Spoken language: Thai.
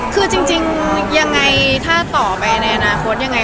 คือจริงยังไงถ้าต่อไปในอนาคตยังไง